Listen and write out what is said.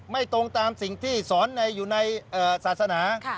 ไม่ตรงตามสิ่งที่สอนอยู่ในศาสนา